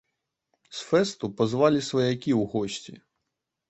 З фэсту пазвалі сваякі ў госці.